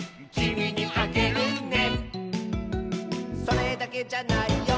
「それだけじゃないよ」